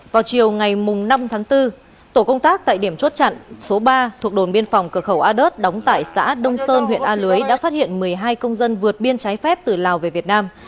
vào chiều ngày năm tháng bốn tổ công tác tại điểm chốt chặn số ba thuộc đồn biên phòng cửa khẩu a đớt đóng tại xã đông sơn huyện a lưới đã phát hiện một mươi hai công dân vượt biên trái phép từ lào về việt nam